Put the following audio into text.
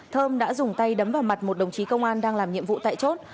thơm đã dùng tay đấm vào mặt một đồng chí công an đang làm nhiệm vụ tại chốt